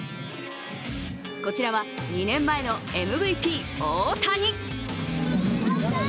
こちらは２年前のＭＶＰ・大谷。